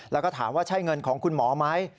แล้วก็ถามว่าใช่เงินของคุณหมอไหม